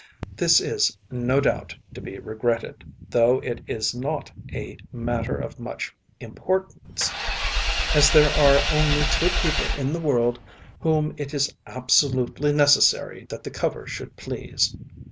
This is, no doubt, to be regretted, though it is not a matter of much importance, as there are only two people in the world whom it is absolutely necessary that the cover should please.